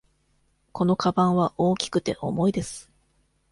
このかばんは大きくて、重いです。